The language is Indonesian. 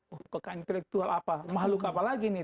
oh kekayaan intelektual apa makhluk apa lagi nih